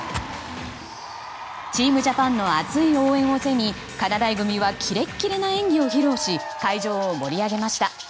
チームジャパンの熱い応援を背にかなだい組はキレキレな演技を披露し会場を盛り上げました。